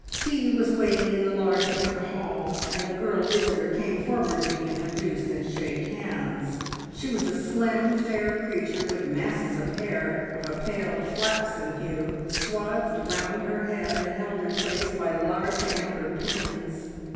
Tea was waiting in the large inner hall, and the girl visitor came forward to be introduced and shake hands. She was a slim, fair creature with masses of hair of a pale flaxen hue, swathed round her head, and held in place by large amber pins.